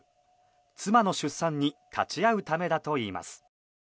妻の出産に立ち会うためだといいます。